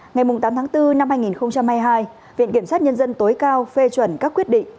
ngày tám tháng bốn năm hai nghìn hai mươi hai viện kiểm sát nhân dân tối cao phê chuẩn các quyết định